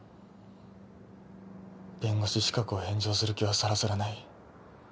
弁護士資格を返上する気はさらさらない。